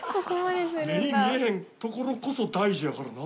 目に見えへんところこそ大事やからな。